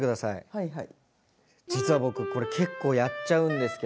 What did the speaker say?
はいはい。